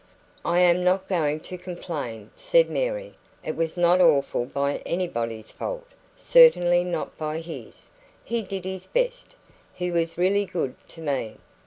"I am not going to complain," said Mary. "It was not awful by anybody's fault certainly not by his. He did his best; he was really good to me.